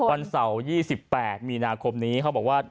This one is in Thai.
วันเสาร์๒๘มีนาคมนี้เขาบอกว่า